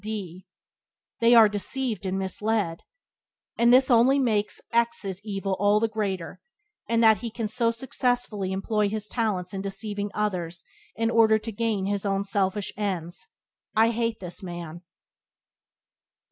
D They are deceived and mislead. And this only makes X's evil all the greater, in that he can so successfully employ his talents in deceiving others in order to gain his own selfish ends. I hate the man.